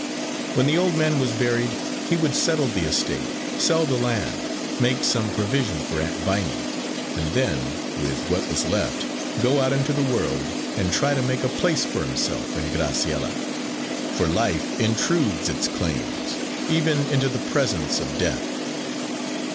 When the old man was buried, he would settle the estate, sell the land, make some provision for Aunt Viney, and then, with what was left, go out into the world and try to make a place for himself and Graciella. For life intrudes its claims even into the presence of death.